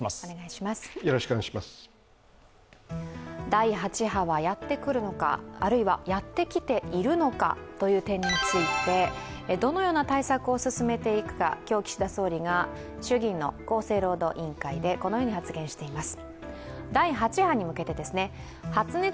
第８波はやってくるのか、あるいはやってきているのかという点について、どのような対策を進めていくか、今日、岸田総理が衆議院の厚生労働委員会でこのように発言しています。